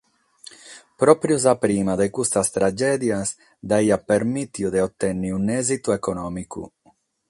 Pròpiu sa prima de custas tragèdias dd’aiat permìtidu de otènnere un’èsitu econòmicu.